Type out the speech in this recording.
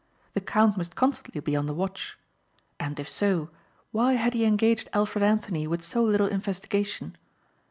The count must constantly be on the watch. And if so, why had he engaged Alfred Anthony with so little investigation?